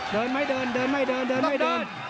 เดินไหมเดินเดินไม่เดินไม่เดิน